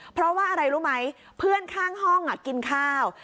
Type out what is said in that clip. เพราะว่าอะไรรู้ไหมเพื่อนข้างห้องกินข้าว